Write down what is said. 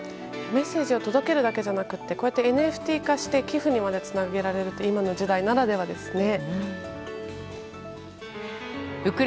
メッセージを届けるだけじゃなくてＮＦＴ化して寄付にまでつなげられるって今の時代ならではですね。